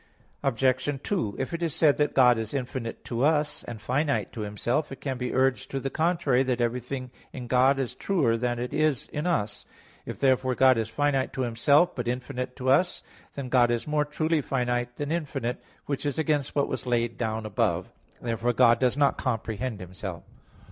Obj. 2: If it is said that God is infinite to us, and finite to Himself, it can be urged to the contrary, that everything in God is truer than it is in us. If therefore God is finite to Himself, but infinite to us, then God is more truly finite than infinite; which is against what was laid down above (Q. 7, A. 1). Therefore God does not comprehend Himself.